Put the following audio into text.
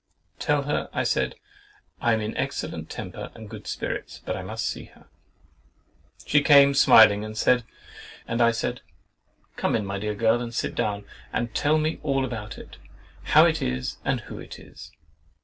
Tell her, I said, I'm in excellent temper and good spirits, but I must see her! She came smiling, and I said, "Come in, my dear girl, and sit down, and tell me all about it, how it is and who it is."